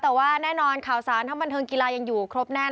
แต่ว่าแน่นอนข่าวสารทั้งบันเทิงกีฬายังอยู่ครบแน่น